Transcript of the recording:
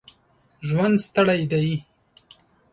ژوند ستړی دی.